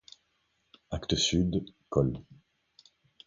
Actes sud, col.